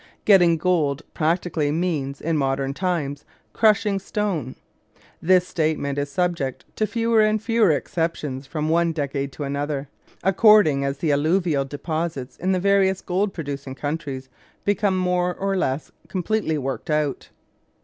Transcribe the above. Getting gold practically means, in modern times, crushing stone. This statement is subject to fewer and fewer exceptions from one decade to another, according as the alluvial deposits in the various gold producing countries become more or less completely worked out.